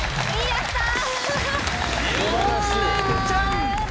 やったー！